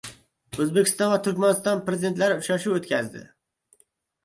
O‘zbekiston va Turkmaniston prezidentlari uchrashuv o‘tkazdi